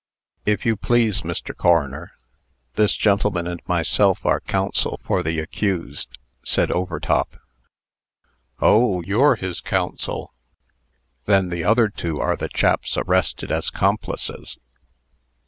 "If you please, Mr. Coroner, this gentleman and myself are counsel for the accused," said Overtop. "Oh! you're his counsel. Then the other two are the chaps arrested as 'complices?"